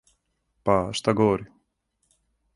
Па, шта говори?